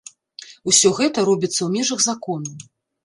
Усё гэта робіцца ў межах закону.